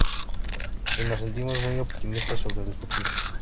Y nos sentimos muy optimistas sobre el futuro.